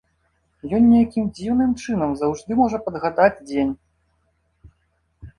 Ён нейкім дзіўным чынам заўжды можа падгадаць дзень.